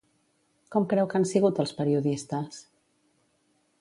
Com creu que han sigut els periodistes?